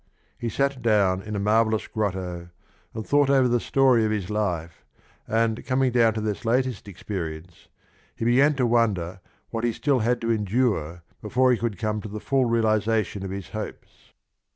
He sat down in a marvellous grotto and thought over the story of his life, and coming down to this latest experience he began to wonder what he still had to endure before he could come to the full realisation of his hopes.